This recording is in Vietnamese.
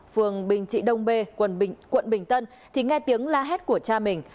phường bình trị đông bê quận bình tân thì nghe tiếng la hét của cha mình